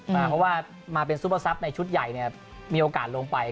เพราะว่ามาเป็นซุปเปอร์ซับในชุดใหญ่เนี่ยมีโอกาสลงไป